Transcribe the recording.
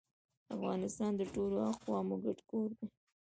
افغانستان د ټولو اقوامو ګډ کور دی